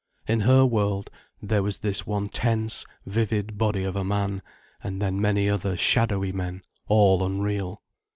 In her world, there was this one tense, vivid body of a man, and then many other shadowy men, all unreal.